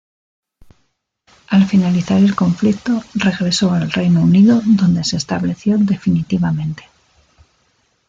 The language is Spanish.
Al finalizar el conflicto, regresó al Reino Unido, donde se estableció definitivamente.